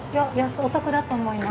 お得だと思います。